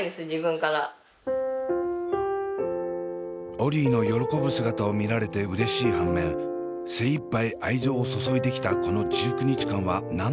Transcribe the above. オリィの喜ぶ姿を見られてうれしい反面精いっぱい愛情を注いできたこの１９日間は何だったのか。